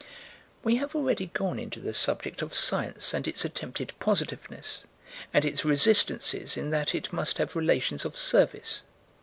We have already gone into the subject of Science and its attempted positiveness, and its resistances in that it must have relations of service.